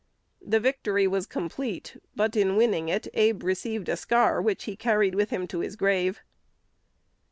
The victory was complete; but, in winning it, Abe received a scar which he carried with him to his grave.